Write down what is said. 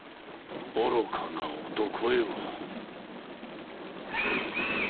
愚かな男よ。